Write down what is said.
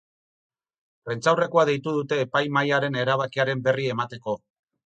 Prentsaurrekoa deitu dute epaimahaiaren erabakiaren berri emateko.